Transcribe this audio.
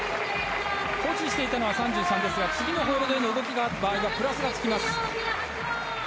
保持していたのは３３ですが次のホールドへの動きがあった場合はプラスがつきます。